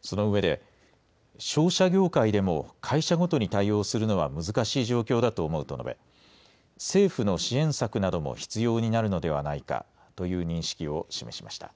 そのうえで商社業界でも会社ごとに対応するのは難しい状況だと思うと述べ、政府の支援策なども必要になるのではないかという認識を示しました。